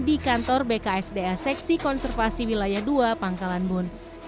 di kantor bksda seksi konservasi wilayah dua pangkalan bun